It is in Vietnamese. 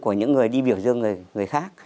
của những người đi biểu dương người khác